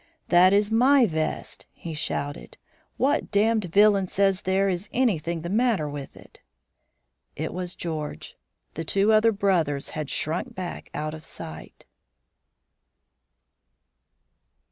"That is my vest," he shouted. "What damned villain says there is anything the matter with it?" It was George. The two other brothers had shrunk back out of sight.